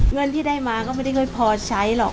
เงินที่ได้มาก็ไม่ได้ค่อยพอใช้หรอก